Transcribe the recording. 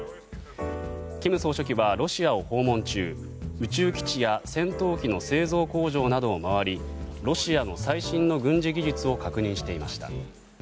金総書記はロシアを訪問中宇宙基地や戦闘機の製造工場などを回りロシアの最新の軍事技術を確認していました。